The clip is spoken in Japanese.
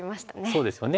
そうですよね。